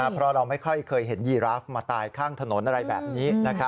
เพราะเราไม่ค่อยเคยเห็นยีราฟมาตายข้างถนนอะไรแบบนี้